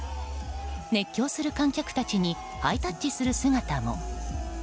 熱狂する観客たちにハイタッチする姿も。